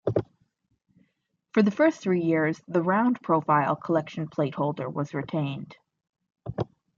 For the first three years the round-profile Collection Plate holder was retained.